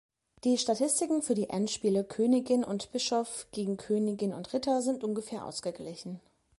Die Statistiken für die Endspiele Königin und Bischof gegen Königin und Ritter sind ungefähr ausgeglichen.